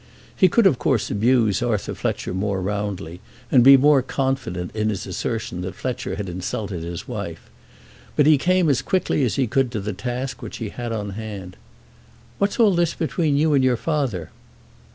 He could of course abuse Arthur Fletcher more roundly, and be more confident in his assertion that Fletcher had insulted his wife. But he came as quickly as he could to the task which he had on hand. "What's all this between you and your father?"